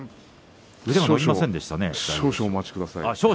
少々お待ちください。